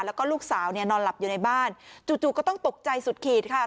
แล้วก็ลูกสาวเนี่ยนอนหลับอยู่ในบ้านจู่ก็ต้องตกใจสุดขีดค่ะ